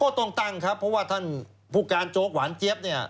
ต้องตั้งครับเพราะว่าท่านผู้การโจ๊กหวานเจี๊ยบเนี่ย